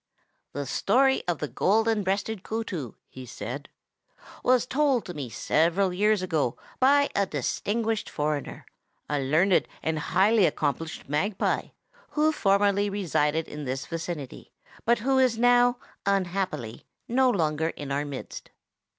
"The story of the Golden breasted Kootoo," he said, "was told to me several years ago by a distinguished foreigner, a learned and highly accomplished magpie, who formerly resided in this vicinity, but who is now, unhappily, no longer in our midst."